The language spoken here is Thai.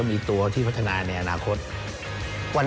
ก็คือคุณอันนบสิงต์โตทองนะครับ